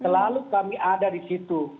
selalu kami ada di situ